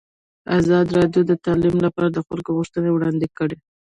ازادي راډیو د تعلیم لپاره د خلکو غوښتنې وړاندې کړي.